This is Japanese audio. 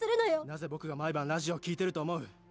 なぜ僕が毎晩ラジオを聞いてると思う？